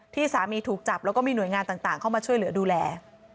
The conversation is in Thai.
ที่สามีถูกจับแล้วก็มีหน่วยงานต่างเข้ามาช่วยเหลือดูแล